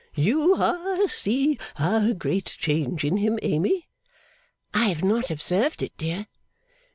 'You ha see a great change in him, Amy?' 'I have not observed it, dear.